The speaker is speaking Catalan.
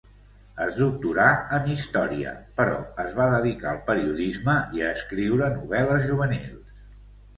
Es doctorà en història, però es va dedicar al periodisme i a escriure novel·les juvenils.